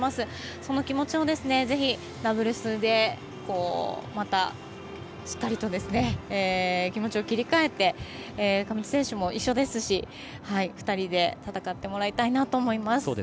その気持ちを、ぜひダブルスでまたしっかりと気持ちを切り替えて上地選手も一緒ですし２人で戦ってもらいたいなと思います。